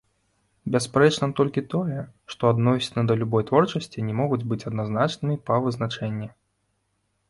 Бясспрэчна толькі тое, што адносіны да любой творчасці не могуць быць адназначнымі па вызначэнні.